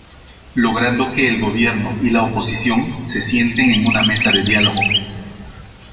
Logrando que el gobierno y la oposición se sienten en una mesa de diálogo.